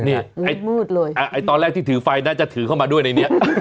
ไอ้มืดเลยตอนแรกที่ถือไฟน่าจะถือเข้ามาด้วยในนี้